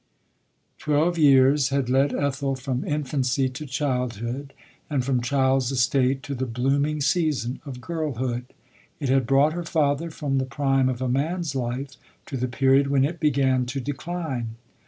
Twelve years had led Ethel from infancy to childhood ; and from child's estate to tlu* blooming season of girlhood. It had brought her father from the prime of a man's life, to the period when it began to decline.